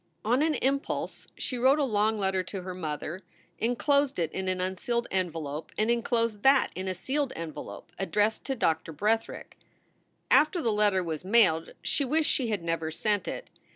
On an impulse she wrote a long letter to her mother, inclosed it in an unsealed envelope, and inclosed that in a sealed envelope addressed to Doctor Bretherick. After the 160 SOULS FOR SALE letter was mailed she wished she had never sent it.